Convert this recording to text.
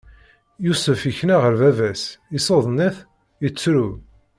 Yusef ikna ɣer baba-s, issuden-it, ittru.